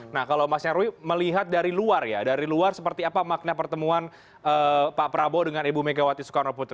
nah kalau mas nyarwi melihat dari luar ya dari luar seperti apa makna pertemuan pak prabowo dengan ibu megawati soekarno putri